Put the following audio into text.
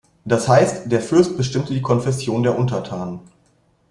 Das heißt, der Fürst bestimmte die Konfession der Untertanen.